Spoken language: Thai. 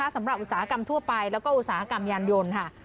อุตสาหกรรมทั่วไปแล้วก็อุตสาหกรรมยานยนต์ค่ะ